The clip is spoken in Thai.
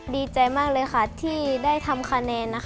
ดีใจมากเลยค่ะที่ได้ทำคะแนนนะคะ